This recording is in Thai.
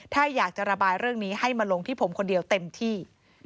ถ้าอยากจะระบายเรื่องนี้ให้มาลงที่ผมคนเดียวเต็มที่